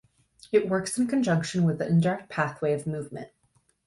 It works in conjunction with the indirect pathway of movement.